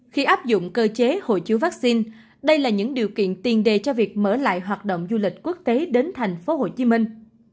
khi áp dụng cơ chế hội chiếu vaccine đây là những điều kiện tiền đề cho việc mở lại hoạt động du lịch quốc tế đến thành phố hồ chí minh